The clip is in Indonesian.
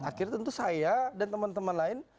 akhirnya tentu saya dan teman teman lain